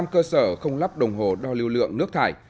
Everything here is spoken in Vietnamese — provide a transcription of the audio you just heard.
một trăm linh cơ sở không lắp đồng hồ đo lưu lượng nước thải